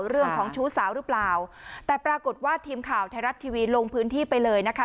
ชู้สาวหรือเปล่าแต่ปรากฏว่าทีมข่าวไทยรัฐทีวีลงพื้นที่ไปเลยนะคะ